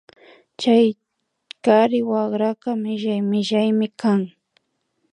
Chay kari wakraka millay millaymi kan